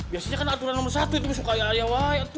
biasanya kan aturan nomor satu itu masuk karya area wio